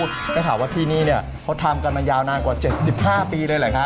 ถ้าถามว่าที่นี่เขาทำกันมายาวนานกว่า๗๕ปีเลยหรือครับ